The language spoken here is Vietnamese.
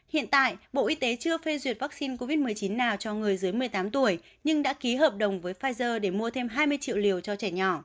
hiện tại bộ y tế chưa phê duyệt vaccine covid một mươi chín nào cho người dưới một mươi tám tuổi nhưng đã ký hợp đồng với pfizer để mua thêm hai mươi triệu liều cho trẻ nhỏ